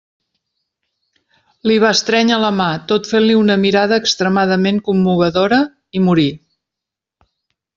Li va estrènyer la mà, tot fent-li una mirada extremadament commovedora, i morí.